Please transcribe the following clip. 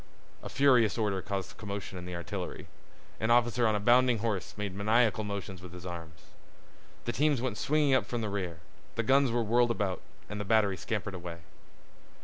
A furious order caused commotion in the artillery. An officer on a bounding horse made maniacal motions with his arms. The teams went swinging up from the rear, the guns were whirled about, and the battery scampered away.